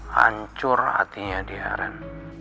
hancur hatinya dia ren